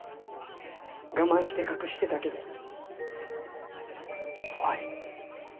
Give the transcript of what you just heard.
我慢して隠してたけど怖い。